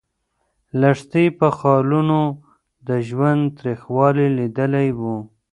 لښتې په خالونو د ژوند تریخوالی لیدلی و.